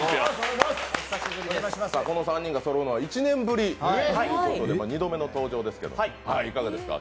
この３人がそろうのは１年ぶりということで２度目の登場ですけど、いかがですか？